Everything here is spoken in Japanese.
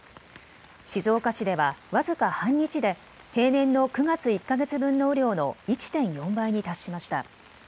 静岡市では僅か半日で平年の９月１か月分の雨量の１．４倍に達しました。